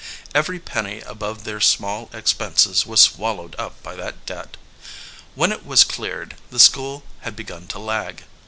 Every penny above their small ex penses was swallowed up by that debt. When it was cleared, the school had begun to lag.